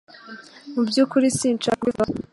Mu byukuri sinshaka kubivugaho